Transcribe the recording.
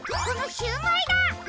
このシューマイだ！